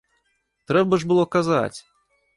Трэба ж было казаць!